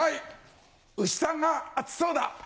牛さんが暑そうだ！